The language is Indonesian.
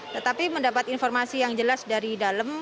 tetapi mendapat informasi yang jelas dari dalam